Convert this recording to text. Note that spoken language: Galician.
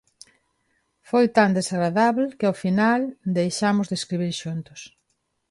Foi tan desagradábel que ao final deixamos de escribir xuntos.